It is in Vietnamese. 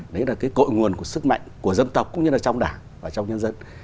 đấy là cái cội nguồn của sức mạnh của dân tộc cũng như là trong đảng và trong nhân dân